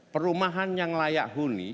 perumahan yang layak huni